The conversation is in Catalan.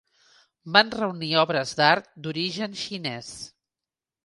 Van reunir obres d'arts d'origen xinès.